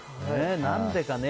何でかね。